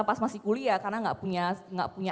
pas masih kuliah karena nggak punya